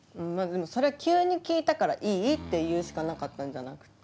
そりゃ急に聞いたから「いい」って言うしかなかったんじゃなくて？